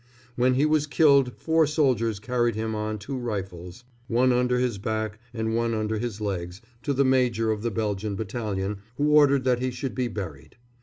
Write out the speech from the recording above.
When he was killed four soldiers carried him on two rifles, one under his back and one under his legs, to the major of the Belgian battalion, who ordered that he should be buried.